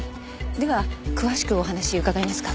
では詳しくお話伺えますか？